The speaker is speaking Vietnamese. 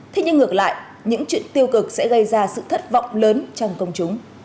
thế nhưng ngược lại những chuyện tiêu cực sẽ gây ra sự thất vọng lớn trong công chúng